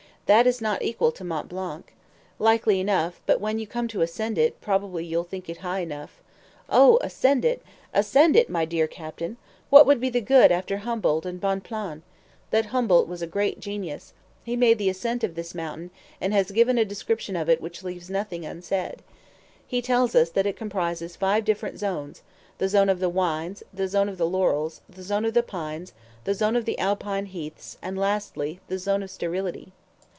"That is not equal to Mont Blanc." "Likely enough, but when you come to ascend it, probably you'll think it high enough." "Oh, ascend it! ascend it, my dear captain! What would be the good after Humboldt and Bonplan? That Humboldt was a great genius. He made the ascent of this mountain, and has given a description of it which leaves nothing unsaid. He tells us that it comprises five different zones the zone of the vines, the zone of the laurels, the zone of the pines, the zone of the Alpine heaths, and, lastly, the zone of sterility.